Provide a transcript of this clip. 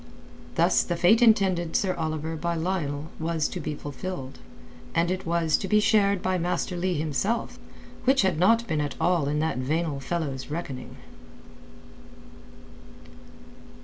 Thus the fate intended Sir Oliver by Lionel was to be fulfilled; and it was to be shared by Master Leigh himself, which had not been at all in that venal fellow's reckoning.